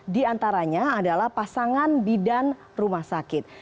di antaranya adalah pasangan bidan rumah sakit